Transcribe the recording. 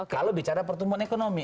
kalau bicara pertumbuhan ekonomi